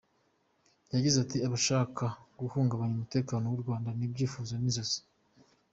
Yagize ati" Abashaka guhungabanya umutekano w’u Rwanda ni ibyifuzo; ni inzozi".